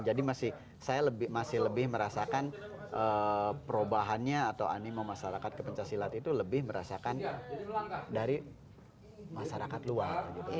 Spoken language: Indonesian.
jadi saya masih lebih merasakan perubahannya atau animo masyarakat ke pencak silat itu lebih merasakan dari masyarakat luar